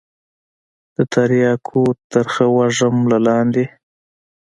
د ترياكو ترخه وږم له لاندې.